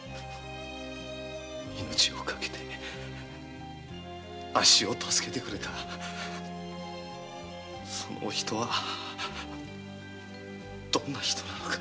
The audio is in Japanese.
「命をかけてアッシを助けてくれたそのお人はどんな人なのか？」